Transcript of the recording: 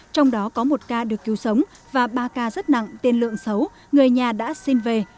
trong đó có một ca được cứu sống và ba ca rất nặng tiền lượng xấu người nhà đã xin về